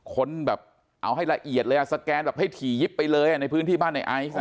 คนแบบเอาให้ละเอียดเลยสแกนแบบให้ถี่ยิบไปเลยในพื้นที่บ้านในไอซ์